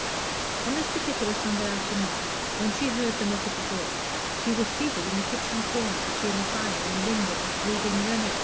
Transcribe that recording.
On this particular Sunday afternoon, when she heard the knock at the door, she was seated in the kitchen corner between the fire and the window reading "Réné."